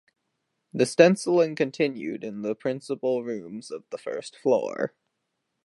The stenciling continued in the principle rooms of the first floor.